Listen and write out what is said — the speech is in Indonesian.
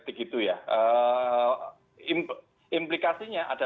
satu terkait dengan peristiwa kematian brigadir joshua ini apa saja